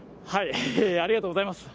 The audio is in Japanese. ありがとうございます。